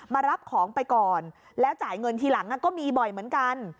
มารับของไปก่อนแล้วจ่ายเงินทีหลังก็มีบ่อยเหมือนกัน